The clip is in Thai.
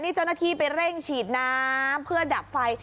นี่เจ้าหน้าที่ไปเร่งฉีดน้ำเพื่อดับไฟ